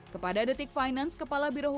kepada detik finance kepala birohuku